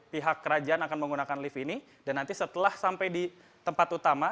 pihak kerajaan akan menggunakan lift ini dan nanti setelah sampai di tempat utama